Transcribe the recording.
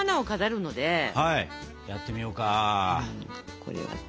これはね